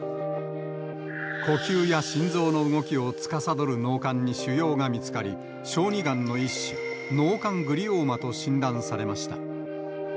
呼吸や心臓の動きをつかさどる脳幹に腫瘍が見つかり、小児がんの一種、脳幹グリオーマと診断されました。